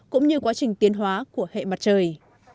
cũng như quá trình tiến hóa của hệ mặt trời